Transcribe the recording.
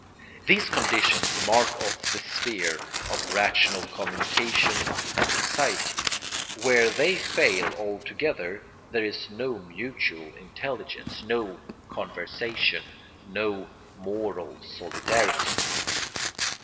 These conditions mark off the sphere of rational communication and society; where they fail altogether there is no mutual intelligence, no conversation, no moral solidarity.